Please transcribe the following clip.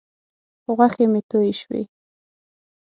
غوښې مې تویې شوې.